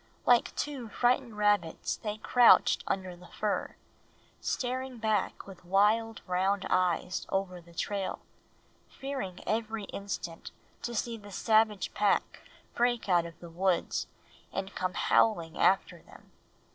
Like two frightened rabbits they crouched under the fir, staring back with wild round eyes over the trail, fearing every instant to see the savage pack break out of the woods and come howling after them.